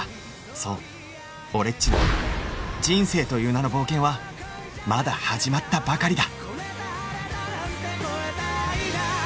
「そう俺っちの人生という名の冒険はまだ始まったばかりだ」